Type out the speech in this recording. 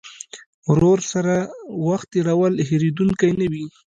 ورور سره وخت تېرول هېرېدونکی نه وي.